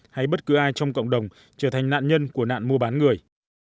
hay bất cứ ai trong cộng đồng trở thành nạn nhân của nạn mua bán người